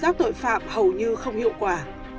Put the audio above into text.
giác tội phạm hầu như không hiệu quả